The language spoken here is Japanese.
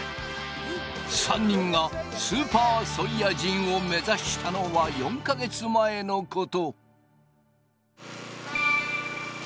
３人がスーパーソイヤ人を目指したのは４か月前のこと。